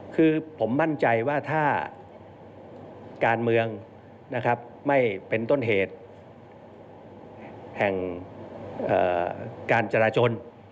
คือผมมั่นใจว่าถ้าการเมืองนะครับไม่เป็นต้นเหตุแห่งการจราจน